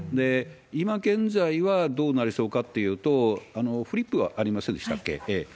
今現在はどうなりそうかっていうと、フリップがありませんでしたっけ？